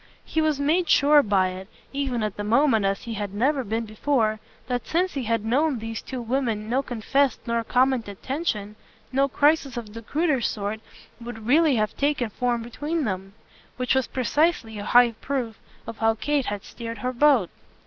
He was made sure by it, even at the moment and as he had never been before, that since he had known these two women no confessed nor commented tension, no crisis of the cruder sort would really have taken form between them: which was precisely a high proof of how Kate had steered her boat.